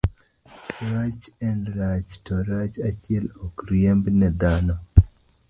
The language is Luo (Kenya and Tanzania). Rach en rach, to rach achiel ok riembne dhano.